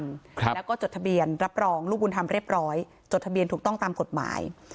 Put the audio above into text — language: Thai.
ครับแล้วก็จดทะเบียนรับรองลูกบุญธรรมเรียบร้อยจดทะเบียนถูกต้องตามกฎหมาย